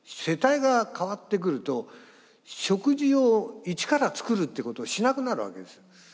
世帯が変わってくると食事を一から作るっていうことをしなくなるわけです。